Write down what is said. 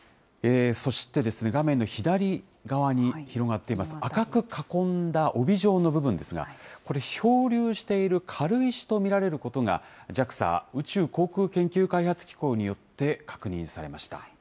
そして、画面の左側に広がっています、赤く囲んだ帯状の部分ですが、これ漂流している軽石と見られることが、ＪＡＸＡ・宇宙航空研究開発機構によって確認されました。